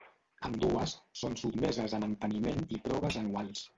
Ambdues són sotmeses a manteniment i proves anuals.